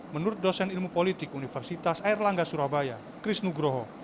menurut dosen ilmu politik universitas airlangga surabaya kris nugroho